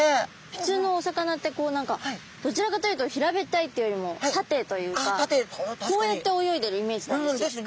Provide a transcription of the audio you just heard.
普通のお魚って何かどちらかというと平べったいっていうよりも縦というかこうやって泳いでるイメージなんですよ。ですね。